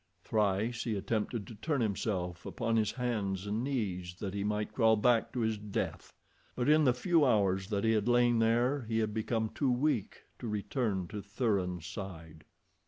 Thrice he attempted to turn himself upon his hands and knees, that he might crawl back to his death, but in the few hours that he had lain there he had become too weak to return to Thuran's side.